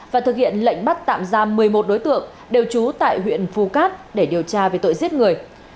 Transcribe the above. và thực hiện lệnh bắt tạm giam một mươi một đối tượng đều trú tại huyện phu cát để điều tra về tội giết người